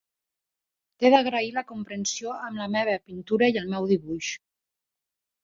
T'he d'agrair la comprensió amb la meva pintura i el meu dibuix.